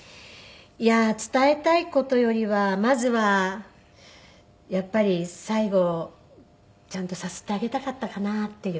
いや伝えたい事よりはまずはやっぱり最後ちゃんとさすってあげたかったかなっていう。